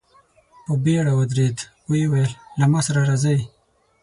په بېړه ودرېد، ويې ويل: له ما سره راځئ!